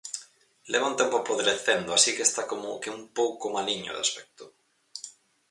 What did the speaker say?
Leva un tempo podrecendo así que está como que un pouco maliño de aspecto.